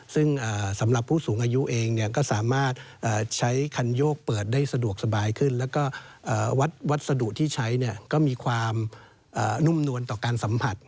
ซึ่งสำหรับผู้สูงอายุเองก็สามารถใช้คันโยกเปิดได้สะดวกสบายขึ้นแล้วก็วัสดุที่ใช้เนี่ยก็มีความนุ่มนวลต่อการสัมผัส